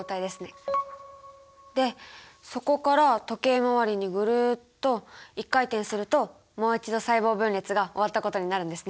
でそこから時計回りにぐるっと１回転するともう一度細胞分裂が終わったことになるんですね。